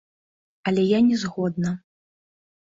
Але я не згодна.